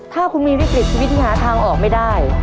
ถ้าคุณมีวิกฤตชีวิตที่หาทางออกไม่ได้